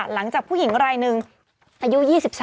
หลังจากผู้หญิงรายหนึ่งอายุ๒๓